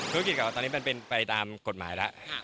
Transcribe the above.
ธุรกิจของเราตอนนี้มันเป็นไปตามกฎหมายแล้ว